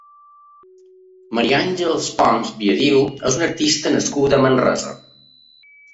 Maria Àngels Pons Biadiu és una artista nascuda a Manresa.